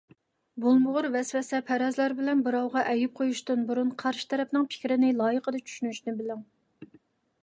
بولمىغۇر ۋەسۋەسە، پەرەزلەر بىلەن بىراۋغا ئەيىب قويۇشتىن بۇرۇن قارشى تەرەپنىڭ پىكرىنى لايىقىدا چۈشىنىشنى بىلىڭ.